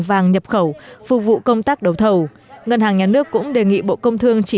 vàng nhập khẩu phục vụ công tác đấu thầu ngân hàng nhà nước cũng đề nghị bộ công thương chỉ